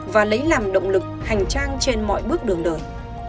và lấy làm động lực hành trang trên mọi bước đường đời